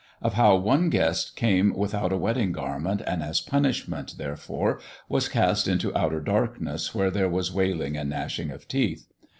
Of how one guest came without a wedding garment, and, as a punishment, therefore, was cast into outer darkness where there was wailing and gnashing of teeth.